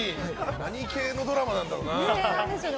何系のドラマなんだろうな。